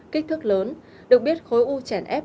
kích thước lớn được biết khối u chèn ép